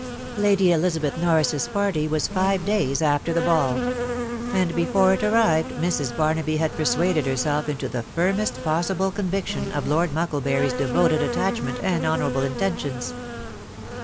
Lady Elizabeth Norris's party was fiye days after the bsfl; and before it arrived Mrs. Barnaby had persuaded herself into the firmest possible conviction of Lord Mucklebury's devoted attachment and honourable intentions.